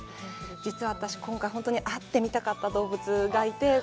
実は私、今回、会ってみたかった動物がいて。